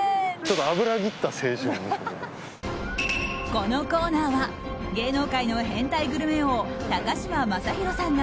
このコーナーは芸能界の変態グルメ王高嶋政宏さんが